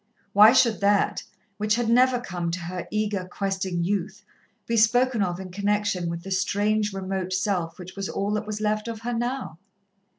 Why should that, which had never come to her eager, questing youth, be spoken of in connection with the strange, remote self which was all that was left of her now?